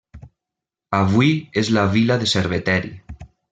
Avui és la vila de Cerveteri.